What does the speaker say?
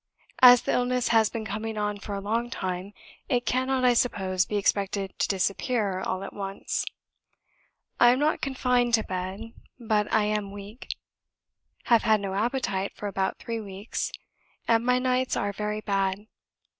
As the illness has been coming on for a long time, it cannot, I suppose, be expected to disappear all at once. I am not confined to bed, but I am weak, have had no appetite for about three weeks and my nights are very bad.